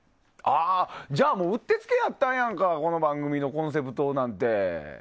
じゃあうってつけやったんやないかこの番組のコンセプトなんて。